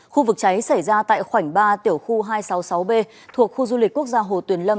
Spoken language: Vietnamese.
khu vực cháy xảy ra tại khoảnh ba tiểu khu hai trăm sáu mươi sáu b thuộc khu du lịch quốc gia hồ tuyền lâm